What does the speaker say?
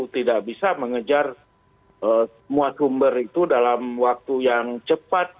tidak bisa mengejar semua sumber itu dalam waktu yang cepat